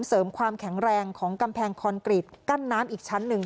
เสริมความแข็งแรงของกำแพงคอนกรีตกั้นน้ำอีกชั้นหนึ่ง